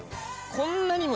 こんなにも。